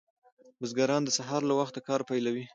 بزګران د سهار له وخته کار پیلوي.